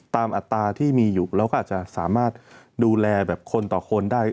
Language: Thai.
อัตราที่มีอยู่เราก็อาจจะสามารถดูแลแบบคนต่อคนได้